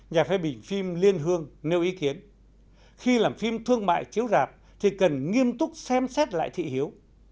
nhà phê bình phim liên hương nêu ý kiến khi làm phim thương mại chiếu rạp thì cần nghiêm túc xem xét lại thị hiếu